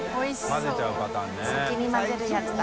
先に混ぜるやつだ。